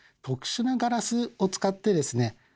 特殊なガラスを使ってですね